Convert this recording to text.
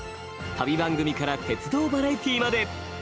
旅番組から鉄道バラエティーまで。